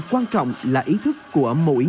quan trọng là ý thức của mỗi